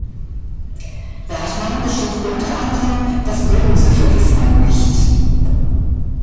Wartmann beschrieb unter anderem das Bodensee-Vergissmeinnicht.